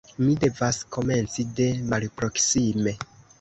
Mi devas komenci de malproksime.